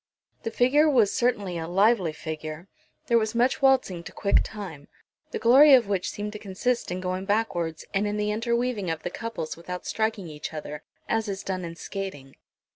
The figure was certainly a lively figure. There was much waltzing to quick time, the glory of which seemed to consist in going backwards, and in the interweaving of the couples without striking each other, as is done in skating.